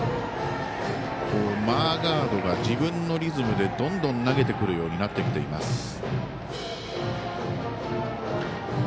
マーガードが自分のリズムでどんどん投げてくるようになってきています。